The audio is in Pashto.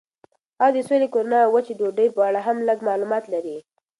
هغه د سولې، کرونا او وچې ډوډۍ په اړه هم لږ معلومات لري.